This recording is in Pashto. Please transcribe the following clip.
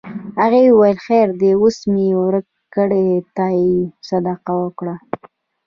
هغه وویل خیر دی اوس مې ورکړې ته یې صدقه کړه.